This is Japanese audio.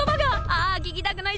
ああ聞きたくない